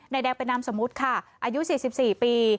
แดงเป็นนามสมมุติค่ะอายุ๔๔ปี